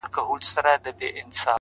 چي چي زړه وي تر هغو درپسې ژاړم”